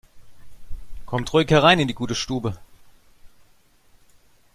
Kommt ruhig herein in die gute Stube!